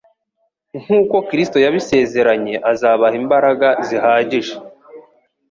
Nk'uko Kristo yabisezeranye azabaha imbaraga zihagije